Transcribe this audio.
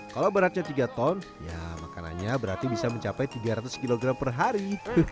kalau beratnya tiga ton ya makanannya berarti bisa mencapai tiga ratus kg per hari